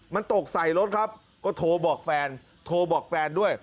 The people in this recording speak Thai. มันตกใส่รถก็โทรบอกแฟนด้วย